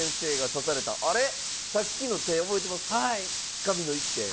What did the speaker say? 神の一手。